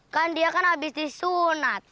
kan dia kan habis disunat